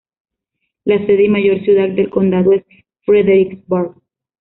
La sede y mayor ciudad del condado es Fredericksburg.